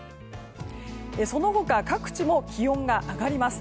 その他各地も気温が上がります。